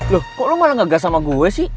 loh kok lo malah gak gas sama gue sih